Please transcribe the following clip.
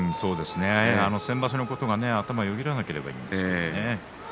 先場所のことが頭をよぎらなければいいですね。